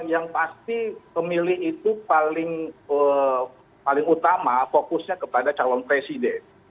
yang pasti pemilih itu paling utama fokusnya kepada calon presiden